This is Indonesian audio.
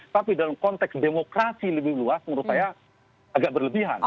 tapi dalam konteks demokrasi lebih luas menurut saya agak berlebihan